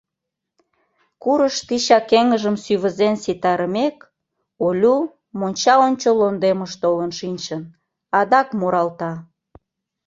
Курыш тичак эҥыжым сӱвызен ситарымек, Олю, монча ончыл лондемыш толын шинчын, адак муралта.